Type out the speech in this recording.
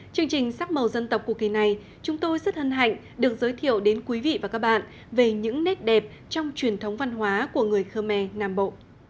chương trình sắc màu dân tộc của kỳ này chúng tôi rất hân hạnh được giới thiệu đến quý vị và các bạn về những nét đẹp trong truyền thống văn hóa của người khơ me nam bộ